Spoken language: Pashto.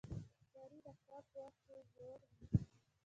ښکاري د ښکار په وخت کې زړور وي.